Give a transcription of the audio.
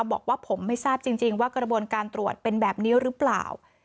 บอกว่าผมไม่ทราบจริงว่ากระบวนการตรวจเป็นแบบนี้หรือเปล่า